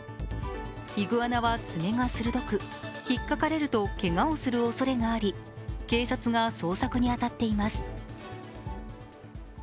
イグアナは爪が鋭く、ひっかかれるとけがをするおそれがあり、警察が捜査に当たっています。